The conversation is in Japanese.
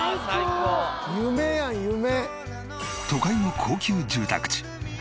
都会の高級住宅地。